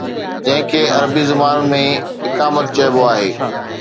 جنهن کي عربي زبان ۾ اقامت چئبو آهي.